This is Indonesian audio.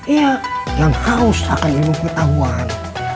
iya yang harus akan ilmu ketahuan